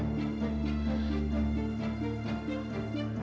tidak ada gimana ini